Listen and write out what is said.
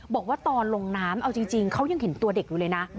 บอกว่าตอนลงน้ำเอาจริงเขายังเห็นตัวเด็กอยู่เลยนะ